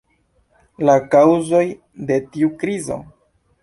La kaŭzoj de tiu krizo?